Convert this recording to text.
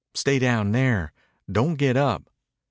"Stay down there. Don't get up."